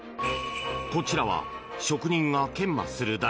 こちらは職人が研磨する台。